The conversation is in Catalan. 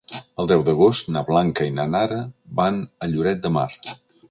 El deu d'agost na Blanca i na Nara van a Lloret de Mar.